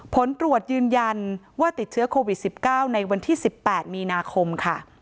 ผลตรวจยืนยันว่าติดเชื้อโควิด๑๙ในวันที่๑๘มีนาคมค่ะ